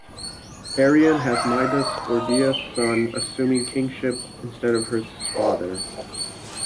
Arrian has Midas, Gordias' son, assuming kingship instead of his father.